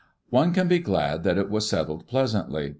One can be glad that it was settled pleasantly.